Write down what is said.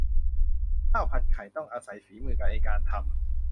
ข้าวผัดไข่ ต้องอาศัยฝีมือในการทำ